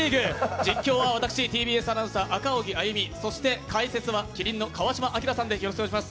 実況は私、ＴＢＳアナウンサー赤荻歩、そして解説は麒麟の川島明さんで、よろしくお願いします。